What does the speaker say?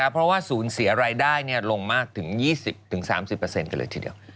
เพราะว่าศูนย์เสียรายได้ลงมากถึง๒๐๓๐กันเลยทีเดียว